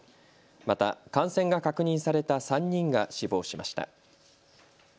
また感染が確認された３人が死亡しました。